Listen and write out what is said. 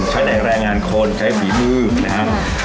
ใช้แดงเรี่ยงงานคนใช้ฝีมือนะครับ